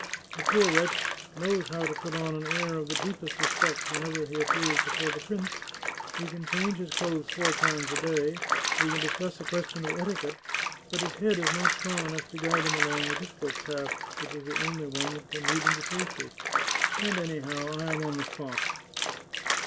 The poor wretch knows how to put on an air of the deepest respect whenever he appears before the prince; he can change his clothes four times a day, he can discuss a question of etiquette, but his head is not strong enough to guide him along the difficult path which is the only one that can lead him to safety. And anyhow, I am on the spot."